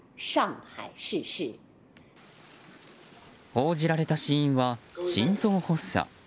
報じられた死因は心臓発作。